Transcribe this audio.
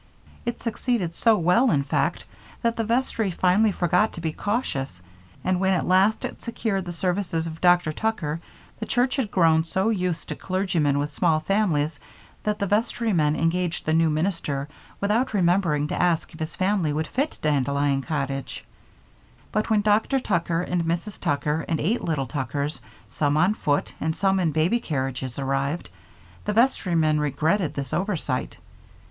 It succeeded so well, in fact, that the vestry finally forgot to be cautious, and when at last it secured the services of Dr. Tucker, the church had grown so used to clergymen with small families that the vestrymen engaged the new minister without remembering to ask if his family would fit Dandelion Cottage. But when Dr. Tucker and Mrs. Tucker and eight little Tuckers, some on foot and some in baby carriages, arrived, the vestrymen regretted this oversight.